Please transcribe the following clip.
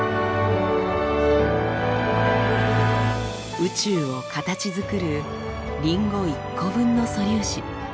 宇宙を形づくるリンゴ１個分の素粒子。